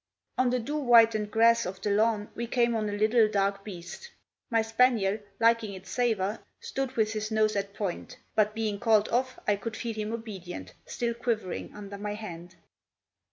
On the dew whitened grass of the lawn, we came on a little dark beast. My spaniel, liking its savour, stood with his nose at point; but, being called off, I could feel him obedient, still quivering, under my hand.